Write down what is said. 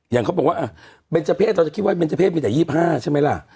อย่างเขาบอกว่าเบนเจอร์เพศเราจะคิดว่าเนเจอร์เศษมีแต่๒๕ใช่ไหมล่ะ